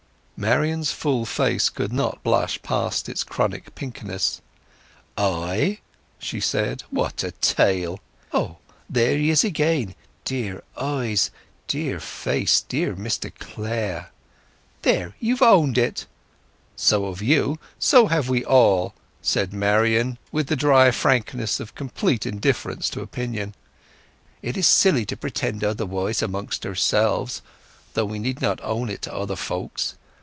Marian's full face could not blush past its chronic pinkness. "I!" she said. "What a tale! Ah, there he is again! Dear eyes—dear face—dear Mr Clare!" "There—you've owned it!" "So have you—so have we all," said Marian, with the dry frankness of complete indifference to opinion. "It is silly to pretend otherwise amongst ourselves, though we need not own it to other folks.